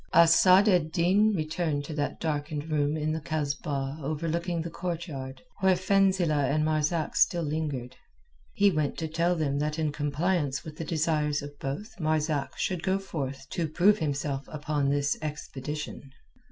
Asad ed Din returned to that darkened room in the Kasbah overlooking the courtyard, where Fenzileh and Marzak still lingered. He went to tell them that in compliance with the desires of both Marzak should go forth to prove himself upon this expedition.